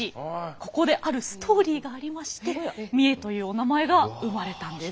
ここであるストーリーがありまして三重というお名前が生まれたんです。